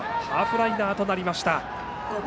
ハーフライナーとなりました。